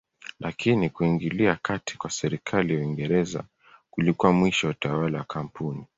Lakini kuingilia kati kwa serikali ya Uingereza kulikuwa mwisho wa utawala wa kampuni.